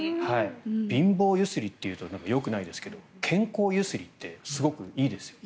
貧乏揺すりと言うとよくないですが健康揺すりってすごくいいですよね。